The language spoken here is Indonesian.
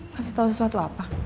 neng tau sesuatu apa